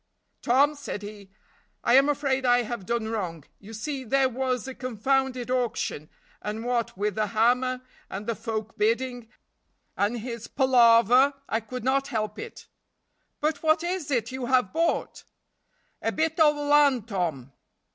"Tom," said he, "I am afraid I have done wrong. You see there was a confounded auction, and what with the hammer, and the folk bidding, and his palaver, I could not help it." "But what is it you have bought?" "A bit o' land, Tom."